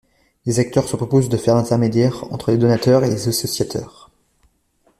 Des acteurs se proposent de faire l’intermédiaire entre les donateurs et les associateurs.